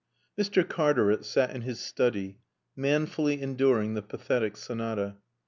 IX Mr. Cartaret sat in his study, manfully enduring the Pathetic Sonata.